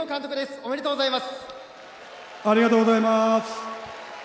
ありがとうございます。